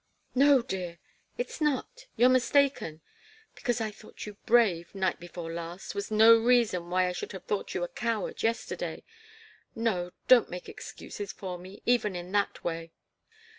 "No, dear. It's not you're mistaken. Because I thought you brave, night before last, was no reason why I should have thought you a coward yesterday. No don't make excuses for me, even in that way.